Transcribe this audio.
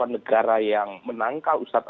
negara yang menangkal ustadz